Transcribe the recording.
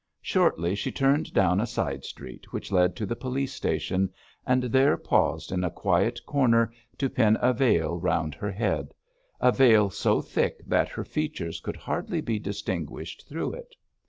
Shortly she turned down a side street which led to the police station, and there paused in a quiet corner to pin a veil round her head a veil so thick that her features could hardly be distinguished through it.